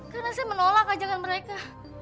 karena saya menolak ajangan mereka